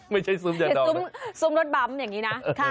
ไม่ใช่ซุ้มยาดอ๋อซุ้มรถบั๊มอย่างนี้นะ